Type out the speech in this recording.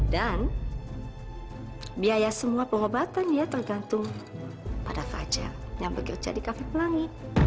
dan biaya semua pengobatan ya tergantung pada fajar yang bergerja di cafe pelangi